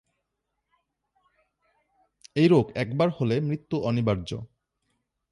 এই রোগ একবার হলে মৃত্যু অনিবার্য।